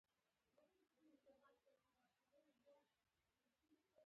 دا ولسوالي زمونږ د کاري سفر اخري تمځای و.